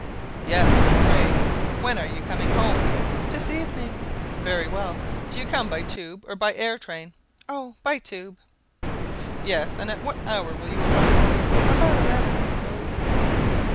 "Yes. But, pray, when are you coming home?" "This evening." "Very well. Do you come by tube or by air train?" "Oh, by tube." "Yes; and at what hour will you arrive?" "About eleven, I suppose."